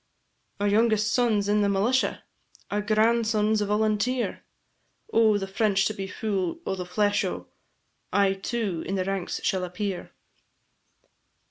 "Our youngest son 's in the militia, Our eldest grandson 's volunteer: O' the French to be fu' o' the flesh o', I too in the ranks shall appear."